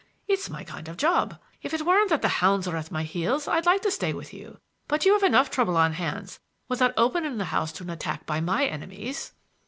It's my kind of a job. If it weren't that the hounds are at my heels I'd like to stay with you, but you have enough trouble on hands without opening the house to an attack by my enemies."